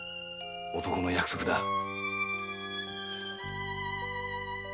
男の約束だ。